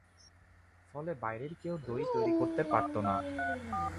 ফলে বাইরের কেউ দই তৈরি করতে পারত না।